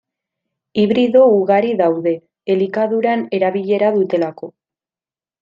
Hibrido ugari daude, elikaduran erabilera dutelako.